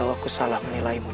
aku akan menangkapmu